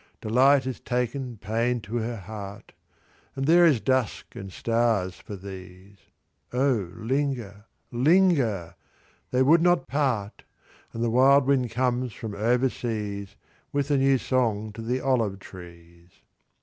Delight has taken Pain to her heart, And there is dusk and stars for these. Oh, linger, linger ! They would not part ; And the wild wind comes from over seas With a new song to the olive trees.